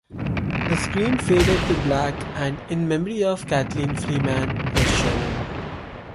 The screen faded to black and "In Memory of Kathleen Freeman" was shown.